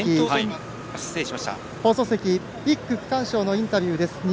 放送席、１区区間賞のインタビューです。